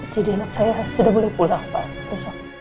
jadi anak saya sudah boleh pulang pak besok